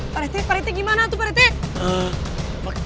pak rete pak rete gimana tuh pak rete